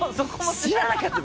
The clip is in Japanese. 知らなかった。